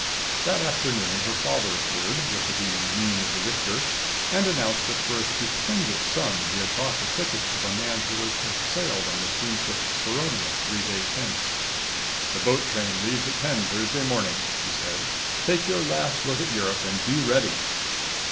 That afternoon her father appeared, with the beaming mien of the victor, and announced that for a stupendous sum he had bought the tickets of a man who was to have sailed on the steamship Saronia three days hence. "The boat train leaves at ten Thursday morning," he said. "Take your last look at Europe and be ready."